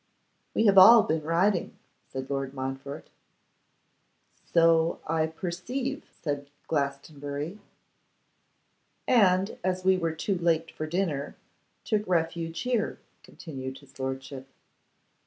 'We have all been riding,' said Lord Montfort. 'So I perceive,' said Glastonbury. 'And as we were too late for dinner, took refuge here,' continued his lordship.